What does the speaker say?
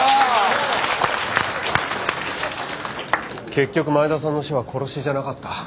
結局前田さんの死は殺しじゃなかった。